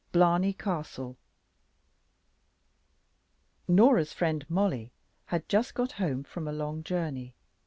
BLARNEY CASTLE NORAH'S friend, Mollie, had just got home from a long journey.